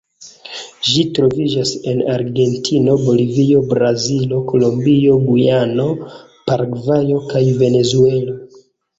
Ĝi troviĝas en Argentino, Bolivio, Brazilo, Kolombio, Gujano, Paragvajo, kaj Venezuelo.